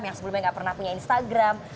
yang sebelumnya nggak pernah punya instagram